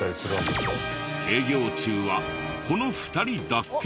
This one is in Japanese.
営業中はこの２人だけ。